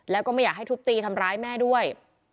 แล้วก็ไม่อยากให้ทุบตีทำร้ายแม่ด้วย